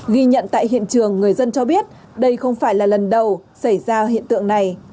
ghi nhận tại hiện trường người dân cho biết đây không phải là lần đầu xảy ra hiện tượng này